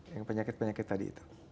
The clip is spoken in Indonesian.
yang penyakit penyakit tadi itu